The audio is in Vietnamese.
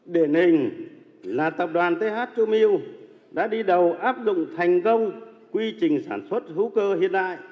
đề nình là tập đoàn th châu miu đã đi đầu áp dụng thành công quy trình sản xuất hữu cơ hiện đại